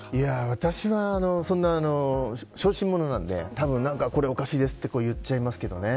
私は、そんな小心者なのでなんか、これおかしいですって言っちゃいますけどね。